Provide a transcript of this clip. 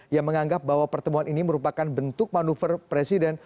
yang menganggap bahwa pertemuan ini merupakan bentuk manuver presiden